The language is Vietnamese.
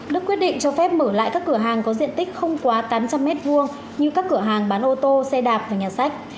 đức quyết định cho phép mở lại các cửa hàng có diện tích không quá tám trăm linh m hai như các cửa hàng bán ô tô xe đạp và nhà sách